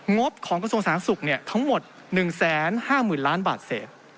บของกระทรวงสาธารณสุขทั้งหมด๑๕๐๐๐ล้านบาทเศษ